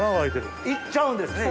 行っちゃうんですね